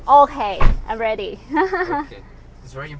โอเคผมพร้อม